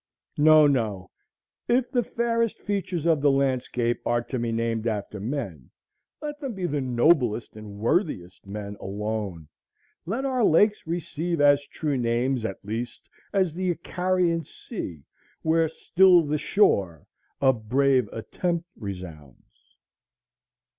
No, no; if the fairest features of the landscape are to be named after men, let them be the noblest and worthiest men alone. Let our lakes receive as true names at least as the Icarian Sea, where "still the shore" a "brave attempt resounds."